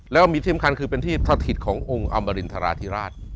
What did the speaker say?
แล้วก็มีที่สำคัญชาติขององค์อมรินทราธิราช